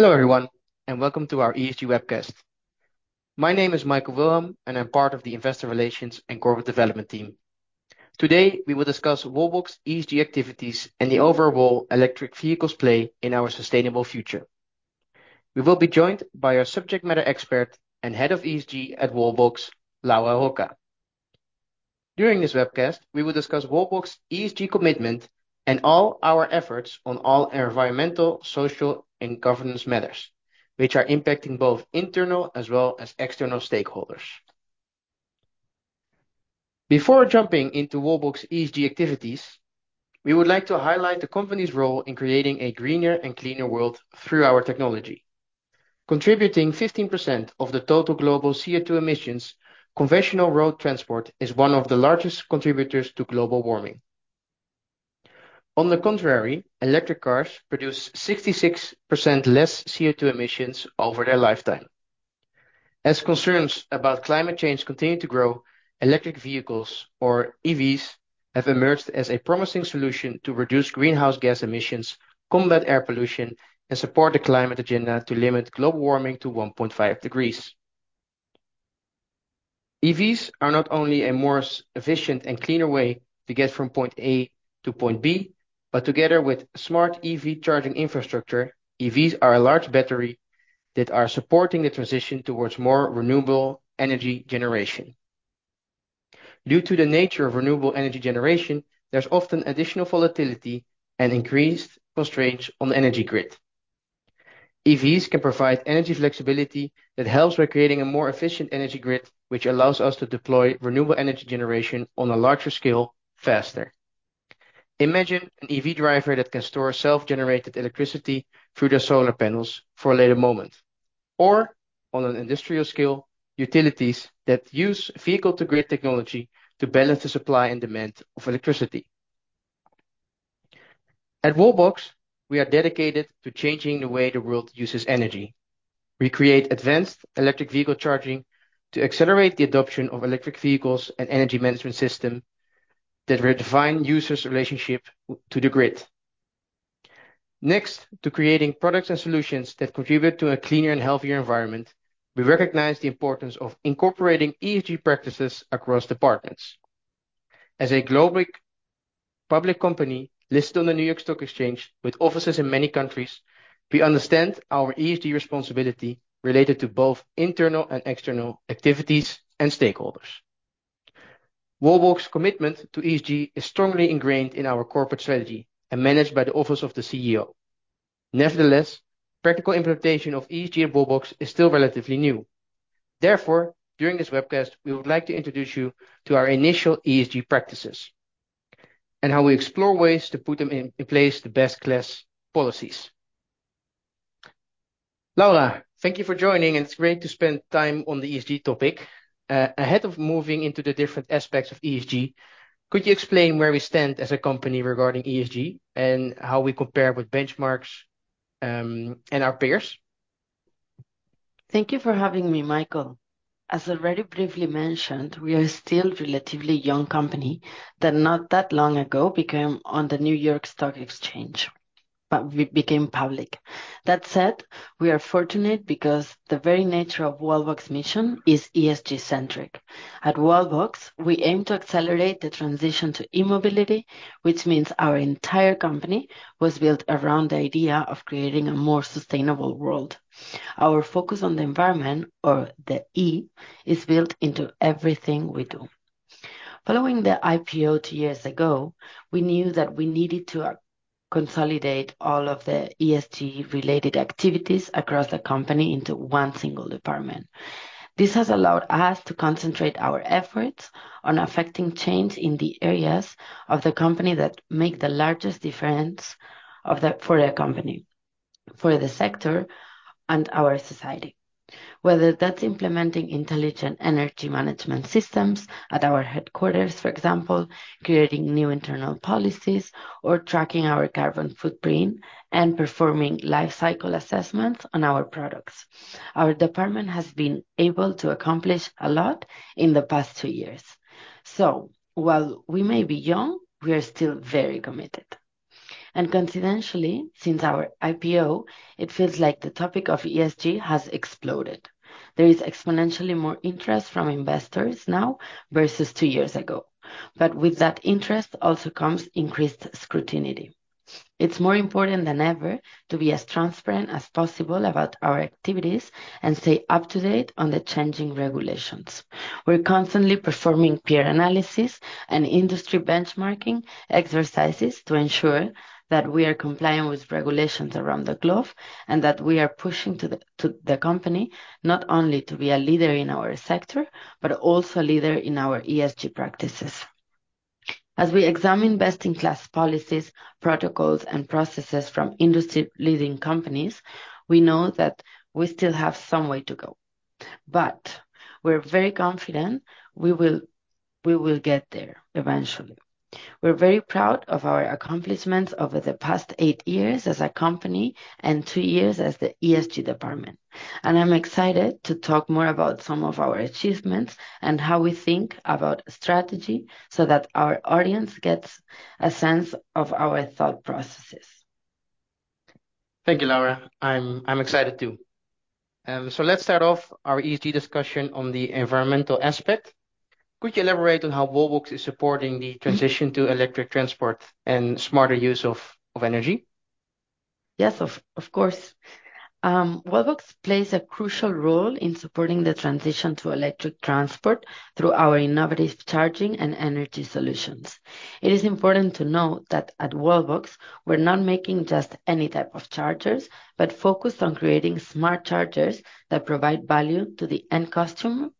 Hello, everyone, and welcome to our ESG webcast. My name is Michael Wilhelm, and I'm part of the Investor Relations and Corporate Development team. Today, we will discuss Wallbox ESG activities and the overall electric vehicles play in our sustainable future. We will be joined by our subject matter expert and Head of ESG at Wallbox, Laura Roca. During this webcast, we will discuss Wallbox ESG commitment and all our efforts on all environmental, social, and governance matters, which are impacting both internal as well as external stakeholders. Before jumping into Wallbox ESG activities, we would like to highlight the company's role in creating a greener and cleaner world through our technology. Contributing 15% of the total global CO2 emissions, conventional road transport is one of the largest contributors to global warming. On the contrary, electric cars produce 66% less CO2 emissions over their lifetime. As concerns about climate change continue to grow, electric vehicles or EVs have emerged as a promising solution to reduce greenhouse gas emissions, combat air pollution, and support the climate agenda to limit global warming to 1.5 degrees. EVs are not only a more efficient and cleaner way to get from point A to point B, but together with smart EV charging infrastructure, EVs are a large battery that are supporting the transition towards more renewable energy generation. Due to the nature of renewable energy generation, there's often additional volatility and increased constraints on the energy grid. EVs can provide energy flexibility that helps by creating a more efficient energy grid, which allows us to deploy renewable energy generation on a larger scale faster. Imagine an EV driver that can store self-generated electricity through their solar panels for a later moment, or on an industrial scale, utilities that use vehicle-to-grid technology to balance the supply and demand of electricity. At Wallbox, we are dedicated to changing the way the world uses energy. We create advanced electric vehicle charging to accelerate the adoption of electric vehicles and energy management system that redefine users' relationship with the grid. Next, to creating products and solutions that contribute to a cleaner and healthier environment, we recognize the importance of incorporating ESG practices across departments. As a global public company listed on the New York Stock Exchange with offices in many countries, we understand our ESG responsibility related to both internal and external activities and stakeholders. Wallbox's commitment to ESG is strongly ingrained in our corporate strategy and managed by the office of the CEO. Nevertheless, practical implementation of ESG at Wallbox is still relatively new. Therefore, during this webcast, we would like to introduce you to our initial ESG practices and how we explore ways to put them in place the best class policies. Laura, thank you for joining, and it's great to spend time on the ESG topic. Ahead of moving into the different aspects of ESG, could you explain where we stand as a company regarding ESG and how we compare with benchmarks and our peers? Thank you for having me, Michael. As already briefly mentioned, we are still a relatively young company that not that long ago became on the New York Stock Exchange, but we became public. That said, we are fortunate because the very nature of Wallbox mission is ESG-centric. At Wallbox, we aim to accelerate the transition to e-mobility, which means our entire company was built around the idea of creating a more sustainable world. Our focus on the environment, or the E, is built into everything we do. Following the IPO two years ago, we knew that we needed to consolidate all of the ESG-related activities across the company into one single department. This has allowed us to concentrate our efforts on affecting change in the areas of the company that make the largest difference for the company, for the sector, and our society. Whether that's implementing intelligent energy management systems at our headquarters, for example, creating new internal policies, or tracking our carbon footprint, and performing life cycle assessments on our products. Our department has been able to accomplish a lot in the past two years. So while we may be young, we are still very committed. And coincidentally, since our IPO, it feels like the topic of ESG has exploded. There is exponentially more interest from investors now versus two years ago, but with that interest also comes increased scrutiny. It's more important than ever to be as transparent as possible about our activities and stay up to date on the changing regulations. We're constantly performing peer analysis and industry benchmarking exercises to ensure that we are compliant with regulations around the globe, and that we are pushing to the company, not only to be a leader in our sector, but also a leader in our ESG practices. As we examine best-in-class policies, protocols, and processes from industry-leading companies, we know that we still have some way to go, but we're very confident we will get there eventually. We're very proud of our accomplishments over the past eight years as a company and two years as the ESG department. And I'm excited to talk more about some of our achievements and how we think about strategy so that our audience gets a sense of our thought processes. Thank you, Laura. I'm excited, too. So let's start off our ESG discussion on the environmental aspect. Could you elaborate on how Wallbox is supporting the transition to electric transport and smarter use of energy? Yes, of course. Wallbox plays a crucial role in supporting the transition to electric transport through our innovative charging and energy solutions. It is important to note that at Wallbox, we're not making just any type of chargers, but focused on creating smart chargers that provide value to the end customer,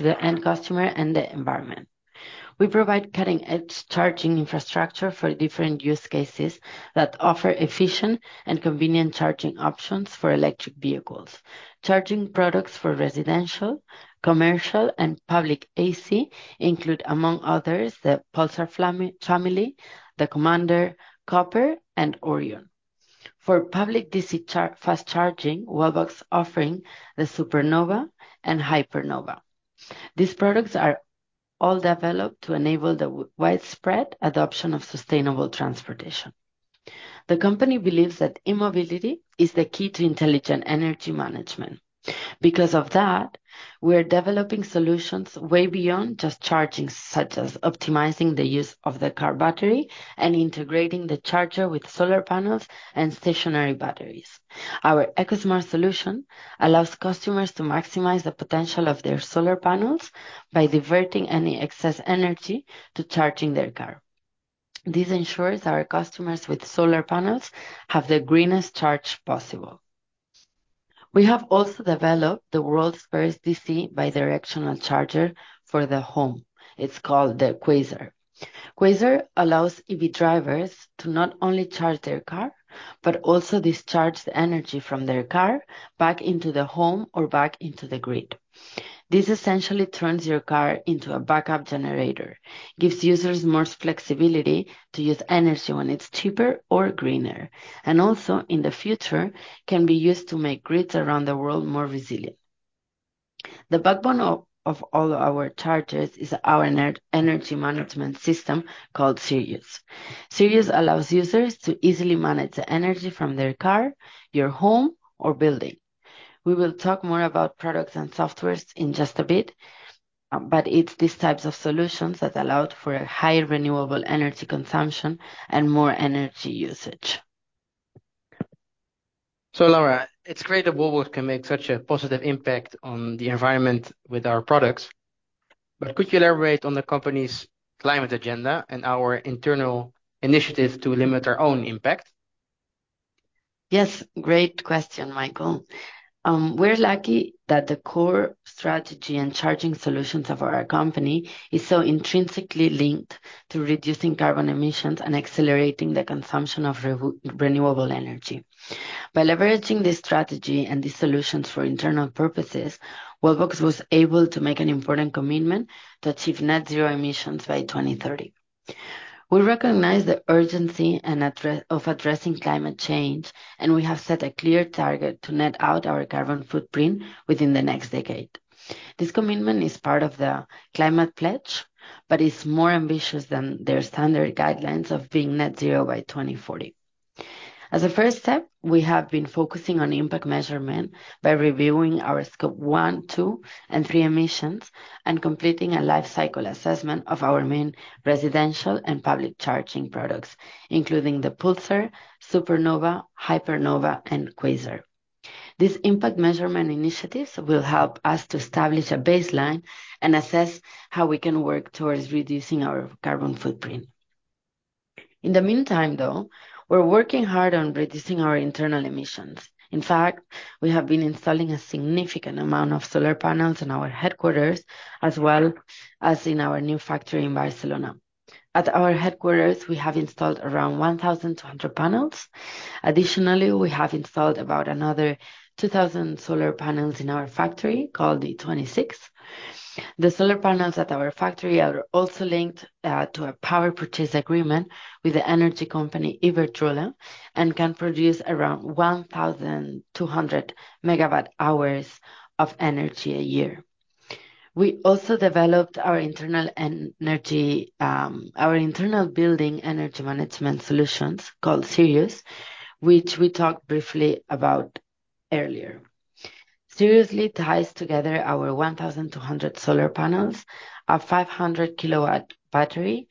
to the end customer and the environment. We provide cutting-edge charging infrastructure for different use cases that offer efficient and convenient charging options for electric vehicles. Charging products for residential, commercial, and public AC include, among others, the Pulsar Family, the Commander, Copper, and Orion. For public DC fast charging, Wallbox offering the Supernova and Hypernova. These products are all developed to enable the widespread adoption of sustainable transportation. The company believes that e-mobility is the key to intelligent energy management. Because of that, we are developing solutions way beyond just charging, such as optimizing the use of the car battery and integrating the charger with solar panels and stationary batteries. Our Eco-Smart solution allows customers to maximize the potential of their solar panels by diverting any excess energy to charging their car. This ensures our customers with solar panels have the greenest charge possible. We have also developed the world's first DC bi-directional charger for the home. It's called the Quasar. Quasar allows EV drivers to not only charge their car, but also discharge the energy from their car back into the home or back into the grid. This essentially turns your car into a backup generator, gives users more flexibility to use energy when it's cheaper or greener, and also, in the future, can be used to make grids around the world more resilient. The backbone of all our chargers is our energy management system called Sirius. Sirius allows users to easily manage the energy from their car, your home, or building. We will talk more about products and software in just a bit, but it's these types of solutions that allowed for a higher renewable energy consumption and more energy usage. Laura, it's great that Wallbox can make such a positive impact on the environment with our products, but could you elaborate on the company's climate agenda and our internal initiatives to limit our own impact? Yes, great question, Michael. We're lucky that the core strategy and charging solutions of our company is so intrinsically linked to reducing carbon emissions and accelerating the consumption of renewable energy. By leveraging this strategy and the solutions for internal purposes, Wallbox was able to make an important commitment to achieve Net Zero emissions by 2030. We recognize the urgency and of addressing climate change, and we have set a clear target to net out our carbon footprint within the next decade. This commitment is part of the Climate Pledge, but is more ambitious than their standard guidelines of being Net Zero by 2040. As a first step, we have been focusing on impact measurement by reviewing our Scope 1, 2, and 3 emissions and completing a Life Cycle Assessment of our main residential and public charging products, including the Pulsar, Supernova, Hypernova, and Quasar. These impact measurement initiatives will help us to establish a baseline and assess how we can work towards reducing our carbon footprint. In the meantime, though, we're working hard on reducing our internal emissions. In fact, we have been installing a significant amount of solar panels in our headquarters, as well as in our new factory in Barcelona. At our headquarters, we have installed around 1,200 panels. Additionally, we have installed about another 2,000 solar panels in our factory, called E26. The solar panels at our factory are also linked to a power purchase agreement with the energy company, Iberdrola, and can produce around 1,200 MWh of energy a year. We also developed our internal energy, our internal building energy management solutions, called Sirius, which we talked briefly about earlier. Sirius really ties together our 1,200 solar panels, our 500 kW battery,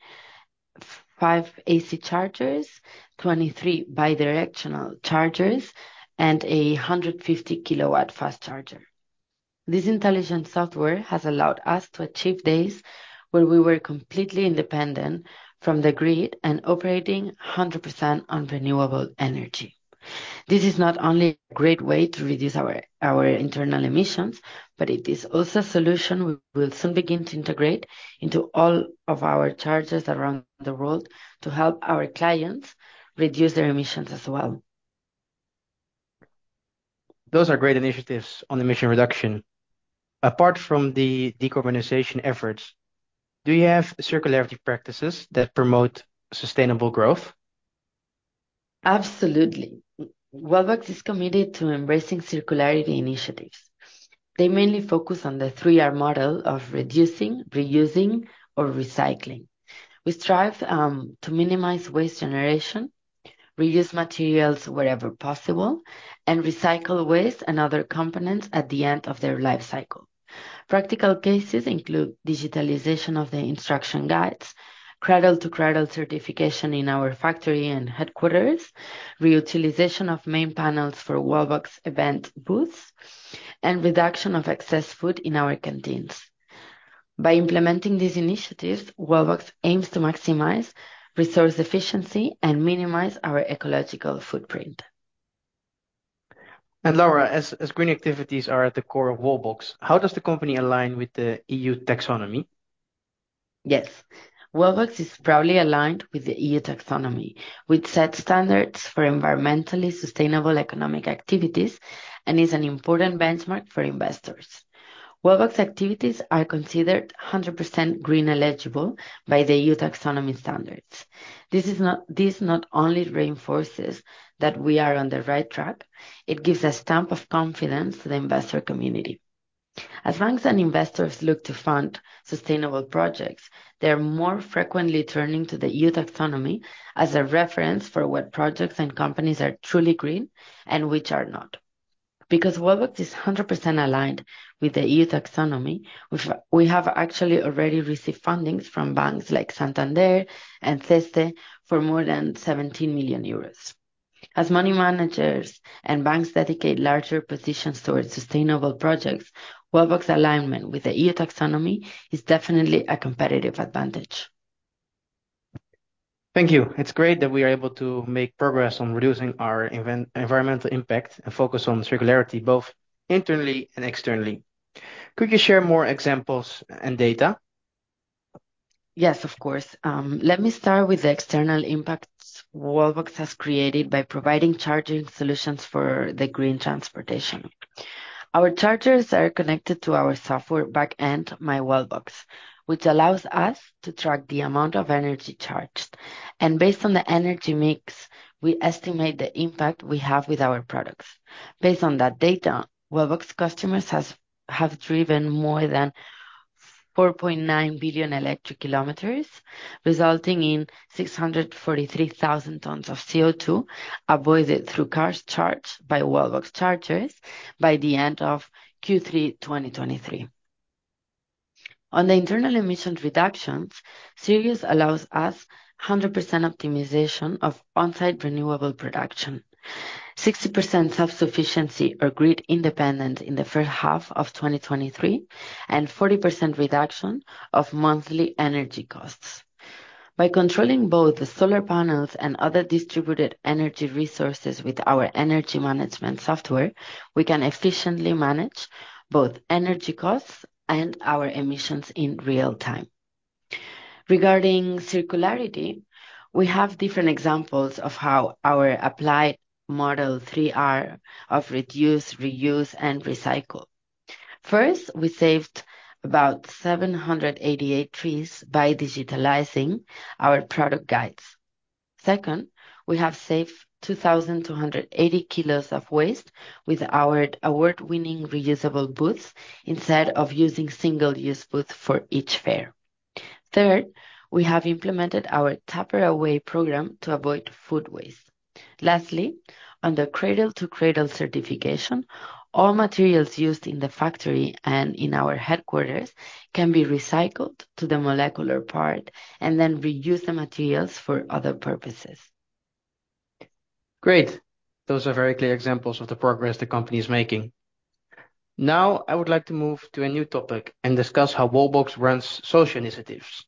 5 AC chargers, 23 bi-directional chargers, and a 150 kW fast charger. This intelligent software has allowed us to achieve days where we were completely independent from the grid and operating 100% on renewable energy. This is not only a great way to reduce our internal emissions, but it is also a solution we will soon begin to integrate into all of our chargers around the world to help our clients reduce their emissions as well. Those are great initiatives on emission reduction. Apart from the decarbonization efforts, do you have circularity practices that promote sustainable growth? Absolutely. Wallbox is committed to embracing circularity initiatives. They mainly focus on the 3R model of reducing, reusing, or recycling. We strive to minimize waste generation, reuse materials wherever possible, and recycle waste and other components at the end of their life cycle. Practical cases include digitalization of the instruction guides, Cradle-to-Cradle certification in our factory and headquarters, reutilization of main panels for Wallbox event booths, and reduction of excess food in our canteens. By implementing these initiatives, Wallbox aims to maximize resource efficiency and minimize our ecological footprint. Laura, as green activities are at the core of Wallbox, how does the company align with the EU Taxonomy? Yes. Wallbox is proudly aligned with the EU Taxonomy, which sets standards for environmentally sustainable economic activities and is an important benchmark for investors. Wallbox activities are considered 100% green eligible by the EU Taxonomy standards. This not only reinforces that we are on the right track, it gives a stamp of confidence to the investor community. As banks and investors look to fund sustainable projects, they're more frequently turning to the EU Taxonomy as a reference for what projects and companies are truly green and which are not. Because Wallbox is 100% aligned with the EU Taxonomy, we have actually already received funding from banks like Santander and CaixaBank for more than 70 million euros. As money managers and banks dedicate larger positions toward sustainable projects, Wallbox alignment with the EU Taxonomy is definitely a competitive advantage. Thank you. It's great that we are able to make progress on reducing our environmental impact and focus on circularity, both internally and externally. Could you share more examples and data? Yes, of course. Let me start with the external impacts Wallbox has created by providing charging solutions for the green transportation. Our chargers are connected to our software back end, myWallbox, which allows us to track the amount of energy charged, and based on the energy mix, we estimate the impact we have with our products. Based on that data, Wallbox customers has, have driven more than 4.9 billion electric kilometers, resulting in 643,000 tons of CO2 avoided through cars charged by Wallbox chargers by the end of Q3, 2023. On the internal emission reductions, Sirius allows us 100% optimization of on-site renewable production, 60% self-sufficiency or grid independence in the first half of 2023, and 40% reduction of monthly energy costs. By controlling both the solar panels and other distributed energy resources with our energy management software, we can efficiently manage both energy costs and our emissions in real time. Regarding circularity, we have different examples of how our applied model 3R of reduce, reuse, and recycle. First, we saved about 788 trees by digitalizing our product guides. Second, we have saved 2,280 kilos of waste with our award-winning reusable booths instead of using single-use booths for each fair. Third, we have implemented our Tupper-Away program to avoid food waste. Lastly, on the Cradle-to-Cradle Certification, all materials used in the factory and in our headquarters can be recycled to the molecular part and then reuse the materials for other purposes. Great. Those are very clear examples of the progress the company is making. Now, I would like to move to a new topic and discuss how Wallbox runs social initiatives.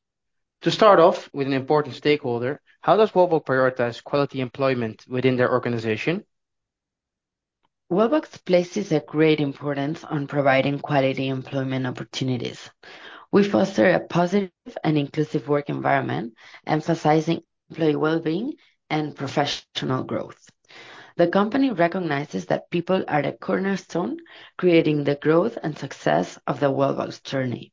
To start off with an important stakeholder, how does Wallbox prioritize quality employment within their organization? Wallbox places a great importance on providing quality employment opportunities. We foster a positive and inclusive work environment, emphasizing employee well-being and professional growth. The company recognizes that people are the cornerstone, creating the growth and success of the Wallbox journey.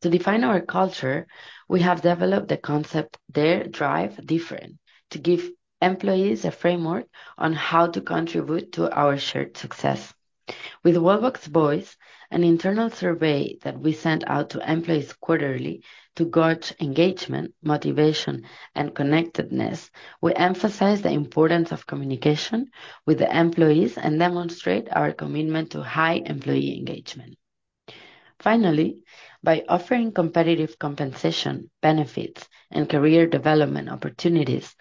To define our culture, we have developed the concept "Dare, Drive, Different" to give employees a framework on how to contribute to our shared success. With Wallbox Voice, an internal survey that we send out to employees quarterly to gauge engagement, motivation, and connectedness, we emphasize the importance of communication with the employees and demonstrate our commitment to high employee engagement. Finally, by offering competitive compensation, benefits, and career development opportunities,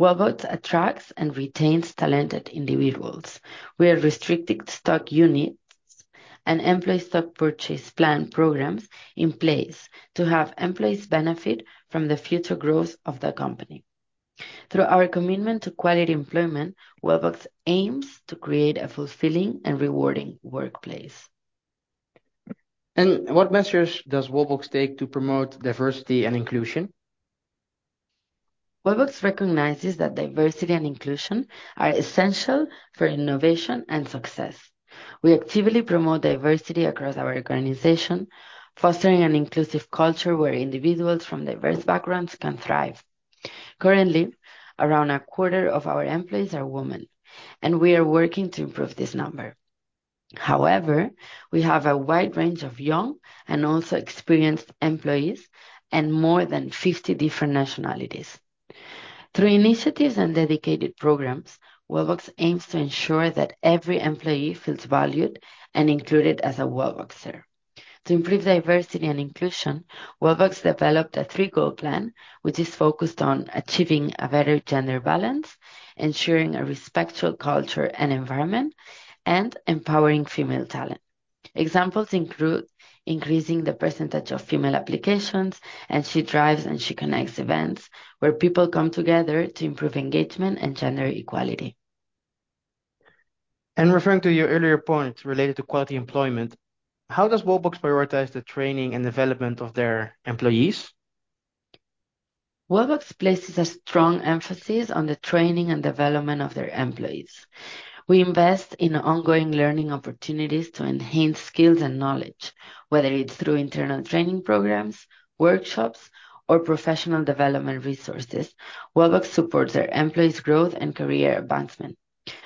Wallbox attracts and retains talented individuals. We have restricted stock units and employee stock purchase plan programs in place to have employees benefit from the future growth of the company. Through our commitment to quality employment, Wallbox aims to create a fulfilling and rewarding workplace. What measures does Wallbox take to promote diversity and inclusion? Wallbox recognizes that diversity and inclusion are essential for innovation and success. We actively promote diversity across our organization, fostering an inclusive culture where individuals from diverse backgrounds can thrive. Currently, around a quarter of our employees are women, and we are working to improve this number. However, we have a wide range of young and also experienced employees, and more than 50 different nationalities. Through initiatives and dedicated programs, Wallbox aims to ensure that every employee feels valued and included as a Wallboxer. To improve diversity and inclusion, Wallbox developed a 3-goal plan, which is focused on achieving a better gender balance, ensuring a respectful culture and environment, and empowering female talent. Examples include increasing the percentage of female applications, and She Drives and She Connects events, where people come together to improve engagement and gender equality. Referring to your earlier point related to quality employment, how does Wallbox prioritize the training and development of their employees? Wallbox places a strong emphasis on the training and development of their employees. We invest in ongoing learning opportunities to enhance skills and knowledge, whether it's through internal training programs, workshops, or professional development resources. Wallbox supports their employees' growth and career advancement.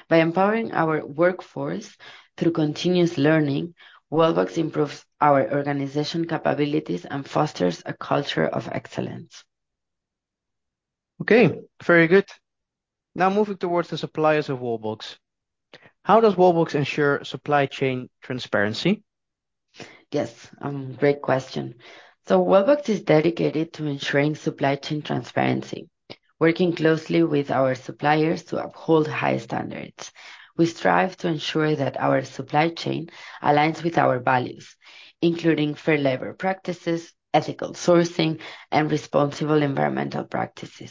By empowering our workforce through continuous learning, Wallbox improves our organization capabilities and fosters a culture of excellence. Okay, very good. Now, moving towards the suppliers of Wallbox, how does Wallbox ensure supply chain transparency? Yes, great question. So Wallbox is dedicated to ensuring supply chain transparency, working closely with our suppliers to uphold high standards. We strive to ensure that our supply chain aligns with our values, including fair labor practices, ethical sourcing, and responsible environmental practices.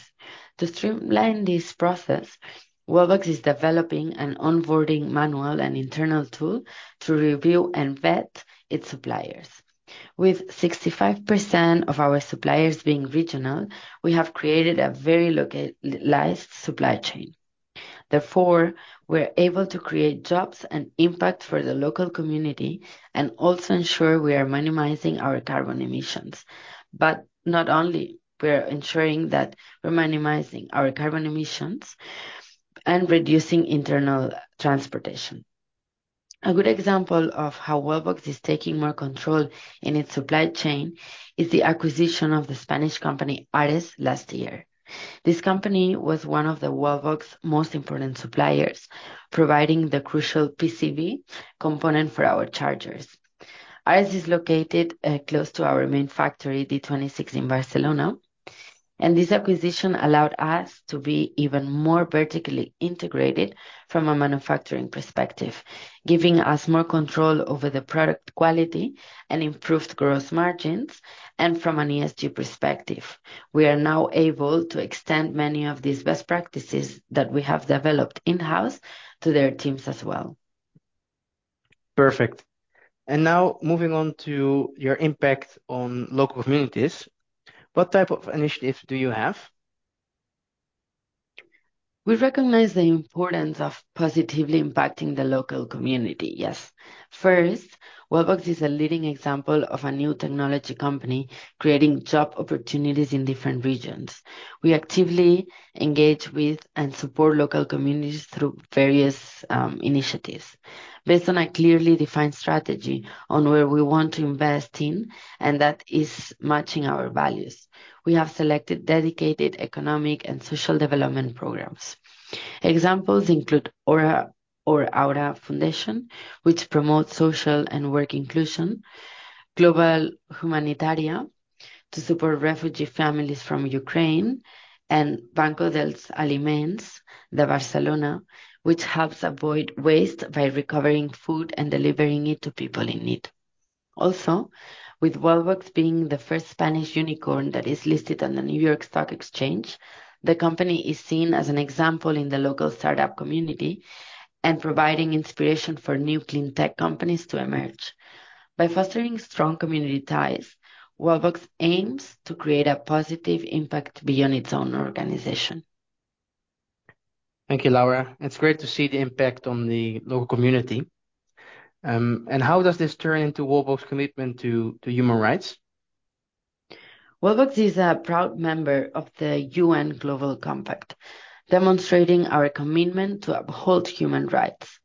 To streamline this process, Wallbox is developing an onboarding manual and internal tool to review and vet its suppliers. With 65% of our suppliers being regional, we have created a very localized supply chain. Therefore, we're able to create jobs and impact for the local community, and also ensure we are minimizing our carbon emissions. But not only we're ensuring that we're minimizing our carbon emissions and reducing internal transportation. A good example of how Wallbox is taking more control in its supply chain is the acquisition of the Spanish company, Ares, last year. This company was one of the Wallbox most important suppliers, providing the crucial PCB component for our chargers. Ares is located close to our main factory, E26, in Barcelona, and this acquisition allowed us to be even more vertically integrated from a manufacturing perspective, giving us more control over the product quality and improved gross margins. From an ESG perspective, we are now able to extend many of these best practices that we have developed in-house to their teams as well. Perfect. Now, moving on to your impact on local communities, what type of initiatives do you have? We recognize the importance of positively impacting the local community. Yes. First, Wallbox is a leading example of a new technology company creating job opportunities in different regions. We actively engage with and support local communities through various initiatives. Based on a clearly defined strategy on where we want to invest in, and that is matching our values, we have selected dedicated economic and social development programs. Examples include Aura or Aura Foundation, which promotes social and work inclusion, Global Humanitaria to support refugee families from Ukraine, and Banc dels Aliments de Barcelona, which helps avoid waste by recovering food and delivering it to people in need. Also, with Wallbox being the first Spanish unicorn that is listed on the New York Stock Exchange, the company is seen as an example in the local start-up community and providing inspiration for new clean tech companies to emerge. By fostering strong community ties, Wallbox aims to create a positive impact beyond its own organization. Thank you, Laura. It's great to see the impact on the local community. How does this turn into Wallbox commitment to human rights? Wallbox is a proud member of the UN Global Compact, demonstrating our commitment to uphold human rights.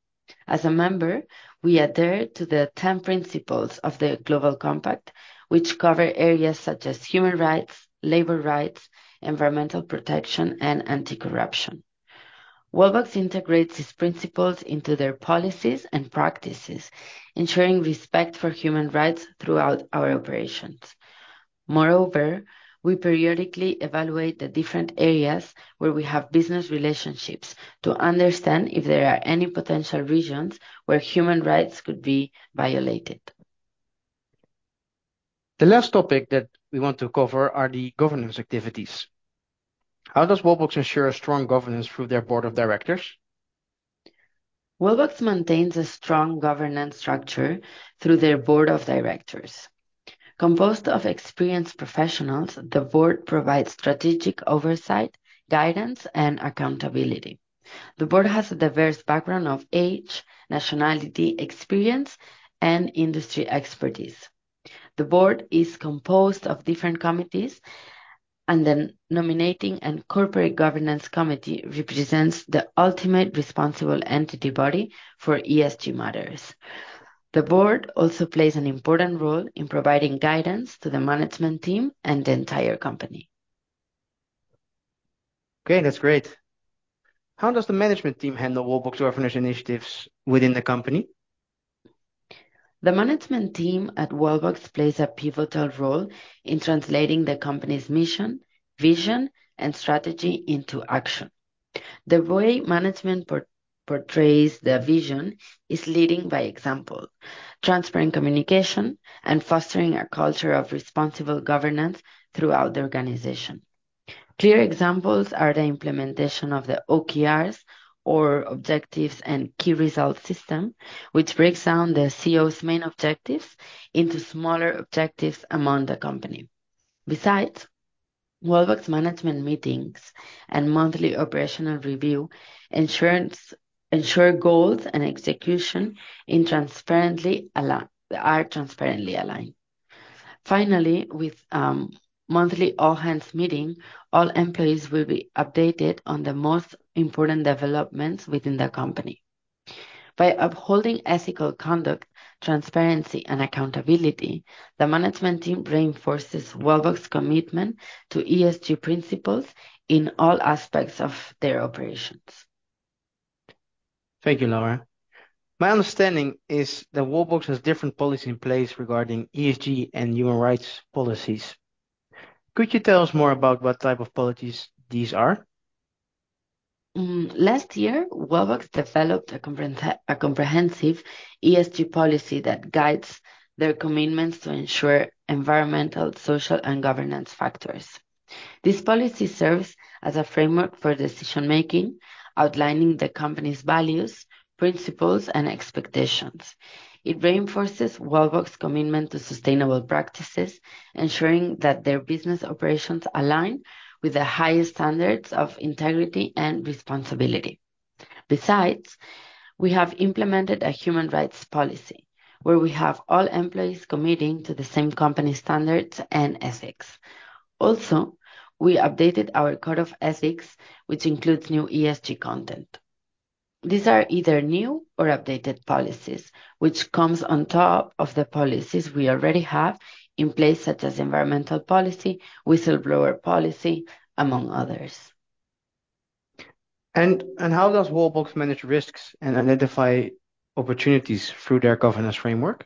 As a member, we adhere to the 10 principles of the Global Compact, which cover areas such as human rights, labor rights, environmental protection, and anti-corruption. Wallbox integrates these principles into their policies and practices, ensuring respect for human rights throughout our operations. Moreover, we periodically evaluate the different areas where we have business relationships to understand if there are any potential regions where human rights could be violated. The last topic that we want to cover are the governance activities. How does Wallbox ensure a strong governance through their board of directors? Wallbox maintains a strong governance structure through their board of directors. Composed of experienced professionals, the board provides strategic oversight, guidance, and accountability. The board has a diverse background of age, nationality, experience, and industry expertise. The board is composed of different committees, and the nominating and corporate governance committee represents the ultimate responsible entity body for ESG matters. The board also plays an important role in providing guidance to the management team and the entire company. Okay, that's great. How does the management team handle Wallbox governance initiatives within the company? The management team at Wallbox plays a pivotal role in translating the company's mission, vision, and strategy into action. The way management portrays their vision is leading by example, transparent communication, and fostering a culture of responsible governance throughout the organization. Clear examples are the implementation of the OKRs or objectives and key results system, which breaks down the CEO's main objectives into smaller objectives among the company. Besides, Wallbox management meetings and monthly operational reviews ensure goals and execution are transparently aligned. Finally, monthly all-hands meetings, all employees will be updated on the most important developments within the company. By upholding ethical conduct, transparency, and accountability, the management team reinforces Wallbox's commitment to ESG principles in all aspects of their operations. Thank you, Laura. My understanding is that Wallbox has different policies in place regarding ESG and human rights policies. Could you tell us more about what type of policies these are? Last year, Wallbox developed a comprehensive ESG policy that guides their commitments to ensure environmental, social, and governance factors. This policy serves as a framework for decision making, outlining the company's values, principles, and expectations. It reinforces Wallbox's commitment to sustainable practices, ensuring that their business operations align with the highest standards of integrity and responsibility. Besides, we have implemented a human rights policy, where we have all employees committing to the same company standards and ethics. Also, we updated our code of ethics, which includes new ESG content. These are either new or updated policies, which comes on top of the policies we already have in place, such as environmental policy, whistleblower policy, among others. How does Wallbox manage risks and identify opportunities through their governance framework?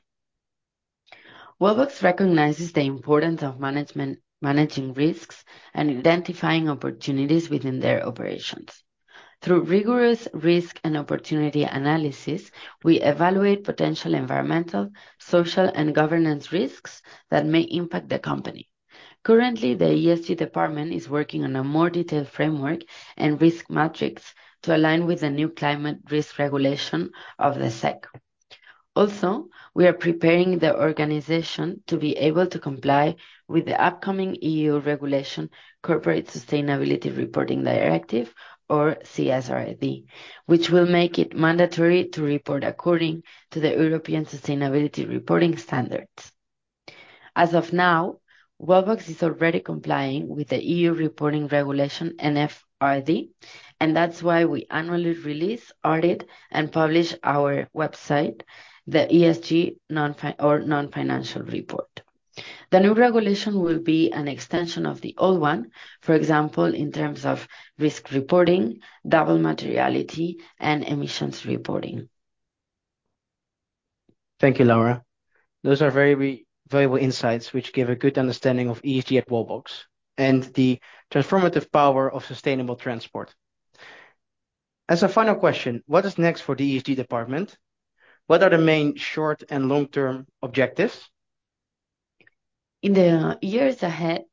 Wallbox recognizes the importance of managing risks and identifying opportunities within their operations. Through rigorous risk and opportunity analysis, we evaluate potential environmental, social, and governance risks that may impact the company. Currently, the ESG department is working on a more detailed framework and risk metrics to align with the new climate risk regulation of the SEC. Also, we are preparing the organization to be able to comply with the upcoming EU Corporate Sustainability Reporting Directive, or CSRD, which will make it mandatory to report according to the European Sustainability Reporting Standards. As of now, Wallbox is already complying with the EU reporting regulation, NFRD, and that's why we annually release, audit, and publish on our website the ESG non-financial report. The new regulation will be an extension of the old one, for example, in terms of risk reporting, double materiality, and emissions reporting. Thank you, Laura. Those are very valuable insights, which give a good understanding of ESG at Wallbox and the transformative power of sustainable transport. As a final question, what is next for the ESG department? What are the main short and long-term objectives? In the years ahead,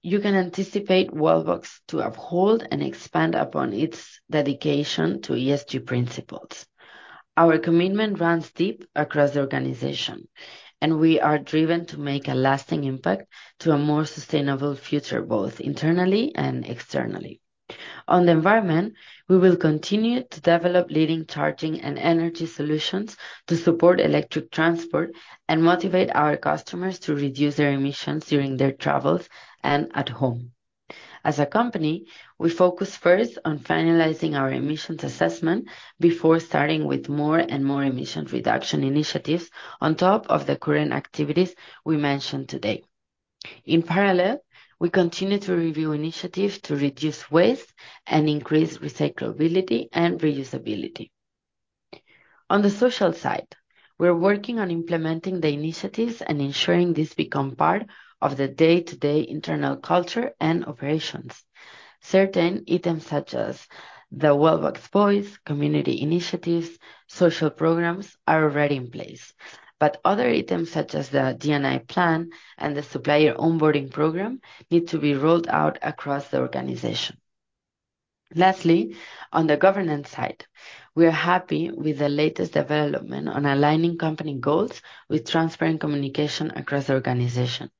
you can anticipate Wallbox to uphold and expand upon its dedication to ESG principles. Our commitment runs deep across the organization, and we are driven to make a lasting impact to a more sustainable future, both internally and externally. On the environment, we will continue to develop leading charging and energy solutions to support electric transport and motivate our customers to reduce their emissions during their travels and at home. As a company, we focus first on finalizing our emissions assessment before starting with more and more emission reduction initiatives on top of the current activities we mentioned today. In parallel, we continue to review initiatives to reduce waste and increase recyclability and reusability. On the social side, we're working on implementing the initiatives and ensuring these become part of the day-to-day internal culture and operations. Certain items, such as the Wallbox Voice, community initiatives, social programs, are already in place, but other items, such as the D&I plan and the supplier onboarding program, need to be rolled out across the organization. Lastly, on the governance side, we are happy with the latest development on aligning company goals with transparent communication across the organization,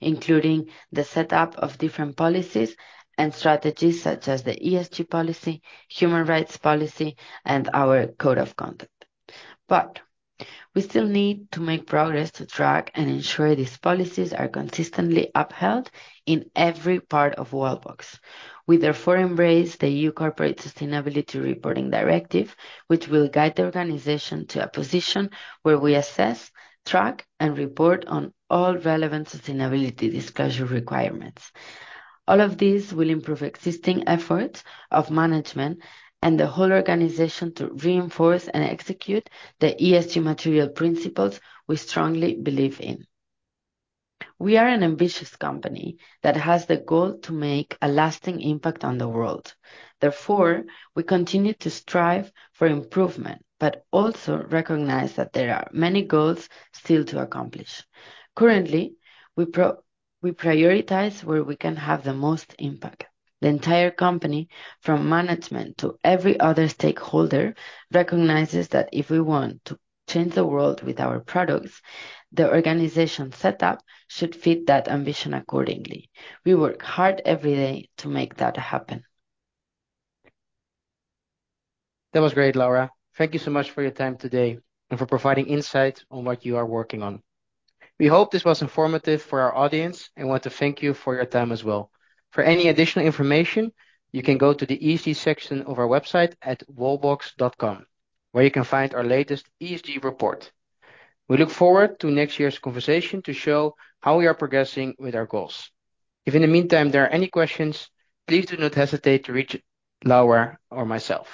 including the setup of different policies and strategies such as the ESG policy, human rights policy, and our Code of Conduct. But we still need to make progress to track and ensure these policies are consistently upheld in every part of Wallbox. We therefore embrace the EU Corporate Sustainability Reporting Directive, which will guide the organization to a position where we assess, track, and report on all relevant sustainability disclosure requirements. All of these will improve existing efforts of management and the whole organization to reinforce and execute the ESG material principles we strongly believe in. We are an ambitious company that has the goal to make a lasting impact on the world. Therefore, we continue to strive for improvement, but also recognize that there are many goals still to accomplish. Currently, we prioritize where we can have the most impact. The entire company, from management to every other stakeholder, recognizes that if we want to change the world with our products, the organization setup should fit that ambition accordingly. We work hard every day to make that happen. That was great, Laura. Thank you so much for your time today and for providing insight on what you are working on. We hope this was informative for our audience and want to thank you for your time as well. For any additional information, you can go to the ESG section of our website at wallbox.com, where you can find our latest ESG report. We look forward to next year's conversation to show how we are progressing with our goals. If in the meantime there are any questions, please do not hesitate to reach Laura or myself.